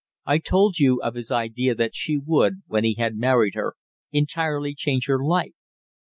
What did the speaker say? I told you of his idea that she would, when he had married her, entirely change her life.